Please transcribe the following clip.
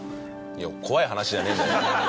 いや怖い話じゃねえんだよ。